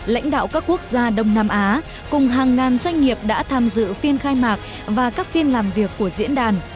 lãnh đạo các quốc gia đông nam á cùng hàng ngàn doanh nghiệp đã tham dự phiên khai mạc và các phiên làm việc của diễn đàn